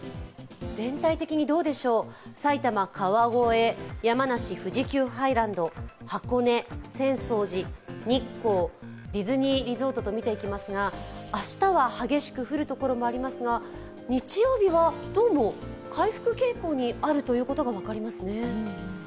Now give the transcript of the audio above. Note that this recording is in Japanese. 全体的に埼玉・川越、山梨・富士急ハイランド、箱根、浅草寺、日光、ディズニーリゾートと見ていきますが明日は激しく降るところもありますが、日曜日はどうも回復傾向にあることが分かりますね。